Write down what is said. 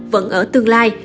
vẫn ở tương lai